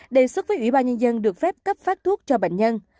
đề xuất với ủy ban nhân dân được phép cấp phát thuốc cho bệnh nhân